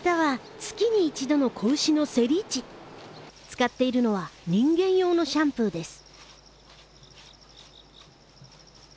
使っているのは人間用のシャンプーです。